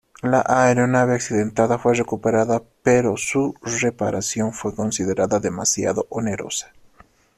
La aeronave accidentada fue recuperada pero su reparación fue considerada demasiado onerosa.